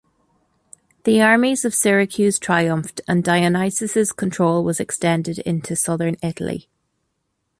The armies of Syracuse triumphed, and Dionysius' control was extended into Southern Italy.